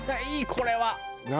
これは。何？